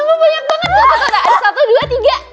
gak ada orang yang nge nurah ke sini ya